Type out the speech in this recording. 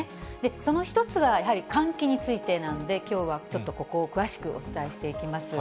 その一つがやはり換気についてなんで、きょうはちょっとここを詳しくお伝えしていきます。